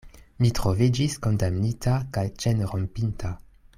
Mi troviĝis kondamnita kaj ĉenrompinta.